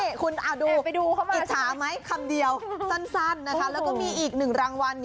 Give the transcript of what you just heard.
เอ๊ไปดูเข้ามาใช่ไหมคำเดียวสั้นนะคะแล้วก็มีอีก๑รางวัล